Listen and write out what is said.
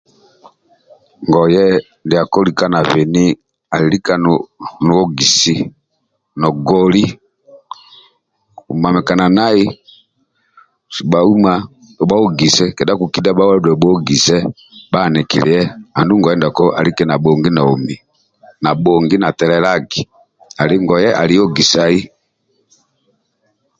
Ngoye ndiako like nabeni ali lika no ogisi nogoli komamikana nai sibha uma bhaogise kedha kukidha bhadole bhaogise bha anikilie andulu ngoye ndiako alike nabhongi naomi nabhongi natelelagi ali ngoye ali ogisai